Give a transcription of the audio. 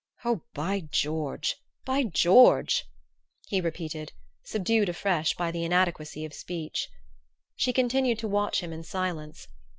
"Oh, by George by George," he repeated, subdued afresh by the inadequacy of speech. She continued to watch him in silence.